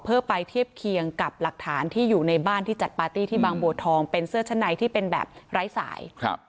เพื่อไปเทียบเคียงกับหลักฐานที่อยู่ในบ้านที่จัดปาร์ตี้ที่บางบัวทองเป็นเสื้อชั้นในที่เป็นแบบไร้สาย